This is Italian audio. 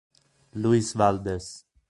Luis Valdez